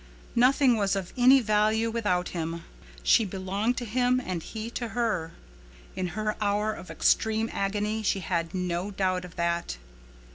Nothing was of any value without him. She belonged to him and he to her. In her hour of supreme agony she had no doubt of that.